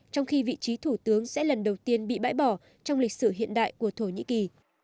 trong khi vị trí thủ tướng sẽ lần đầu tiên bị bãi bỏ trong lịch sử hiện đại của thổ nhĩ kỳ